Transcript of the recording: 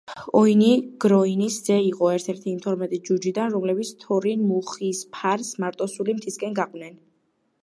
ოინი, გროინის ძე იყო ერთ-ერთი იმ თორმეტი ჯუჯიდან, რომლებიც თორინ მუხისფარს მარტოსული მთისკენ გაყვნენ.